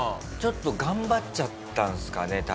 ちょっと頑張っちゃったんすかね